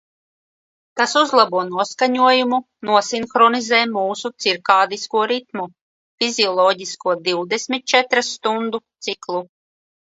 Tas uzlabo noskaņojumu, nosinhronizē mūsu cirkādisko ritmu – fizioloģisko divdesmit četras stundu ciklu.